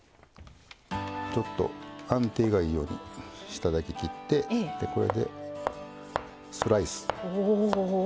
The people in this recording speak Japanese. ちょっと安定がいいように下だけ切ってこれでスライス。